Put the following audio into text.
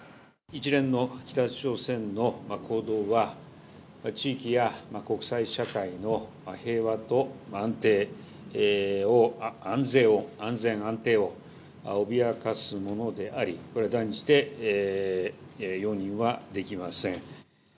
一連の北朝鮮の行動は、地域や国際社会の平和と、安定を、安全を、安全安定を脅かすものであり、これは断じて容認することはできません。